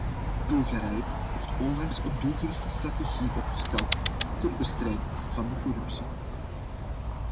Bulgarije heeft onlangs een doelgerichte strategie opgesteld ter bestrijding van de corruptie.